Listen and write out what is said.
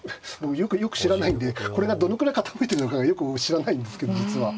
よく知らないんでこれがどのくらい傾いてるのかがよく知らないんですけど実は。